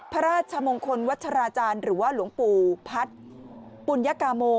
พระราชมงคลวัชราจารย์หรือว่าหลวงปู่พัฒน์ปุญกาโม